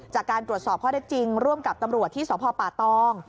จากการตรวจสอบข้อได้จริงร่วมกับตำรวจที่สพป่าตอง